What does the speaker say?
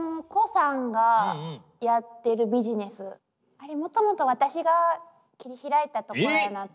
あれもともと私が切り開いたところやなって。